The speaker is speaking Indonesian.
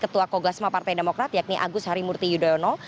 ketua kogasma partai demokrat yakni agus harimurti yudhoyono